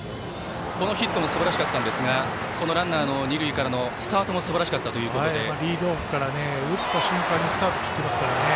このヒットもすばらしかったんですがランナーの二塁からのスタートもリードオフから打った瞬間にスタートを切ってますからね。